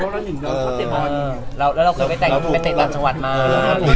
แล้วเราเคยไปเตะหลังจังหวัดมา